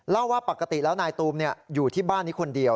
เล่าว่าปกติแล้วนายตูมอยู่ที่บ้านนี้คนเดียว